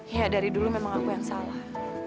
ya dari dulu memang aku yang salah